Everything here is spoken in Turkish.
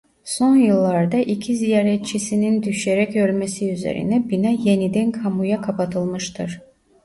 Son yıllarda iki ziyaretçisinin düşerek ölmesi üzerine bina yeniden kamuya kapatılmıştır.